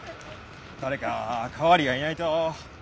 誰か代わりがいないと。